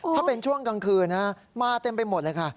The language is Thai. ถ้าเป็นช่วงกลางคืนนะมาเต็มไปหมดเลยค่ะ